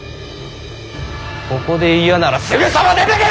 ここで嫌ならすぐさま出ていけ！